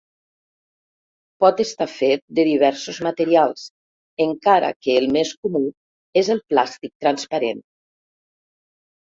Pot estar fet de diversos materials, encara que el més comú és el plàstic transparent.